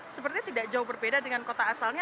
sepertinya tidak jauh berbeda dengan kota asalnya